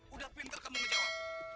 udah pinter kamu menjawab